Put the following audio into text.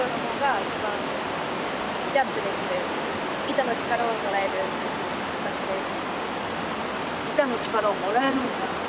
板の力をもらえる場所です。